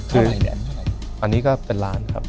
คืออันนี้ก็เป็นล้านครับ